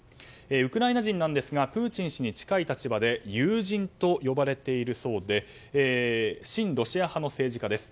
ウクライナ人なんですがプーチン氏に近い立場で友人と呼ばれているそうで親ロシア派の政治家です。